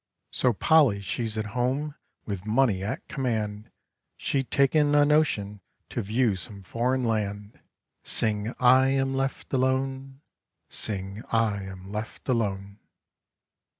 So Polly she's at home With money at command, She taken a notion To view some foreign land. Sing I am left alone, Sing I am left alone.